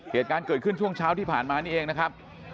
เหตุการณ์เกิดขึ้นช่วงเช้าที่ผ่านมานี่เองนะครับ